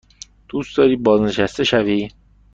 دوست داری بازنشسته شوی؟